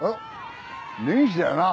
根岸だよな？